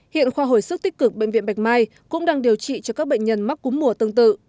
hiện khoa hồi sức tích cực bệnh viện bạch mai cũng đang điều trị cho các bệnh nhân mắc cúm mùa tương tự